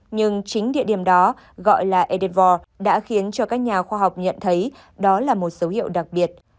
nhưng chính địa điểm đó gọi là edvor đã khiến cho các nhà khoa học nhận thấy đó là một dấu hiệu đặc biệt